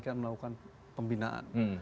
kan melakukan pembinaan